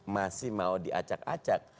masih mau diacak acak